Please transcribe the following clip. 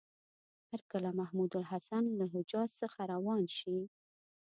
چې هرکله محمودالحسن له حجاز څخه روان شي.